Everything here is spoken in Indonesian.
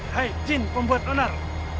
hai jin pembuat onar